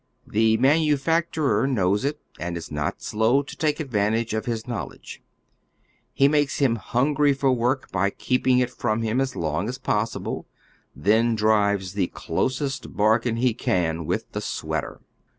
The manufacturer knows it, and is not slow to take advantage of his knowledge. He makes him hungry for work by keeping it from him as long as possible ; then drives the closest bargain he can with the sweater.